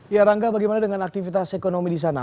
ya rangga bagaimana dengan aktivitas ekonomi di sana